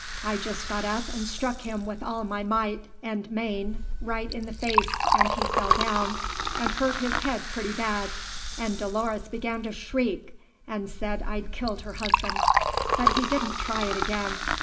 I just got up and struck him with all my might and main right in the face and he fell down and hurt his head pretty bad and Dolores began to shriek and said I'd killed her husband; but he didn't try it again.